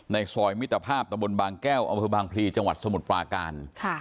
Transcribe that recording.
ซอยมิตรภาพตะบนบางแก้วอำเภอบางพลีจังหวัดสมุทรปราการ